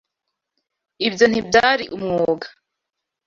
Ibyo ntibyari umwuga.